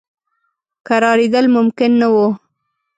کرارېدل ممکن نه وه.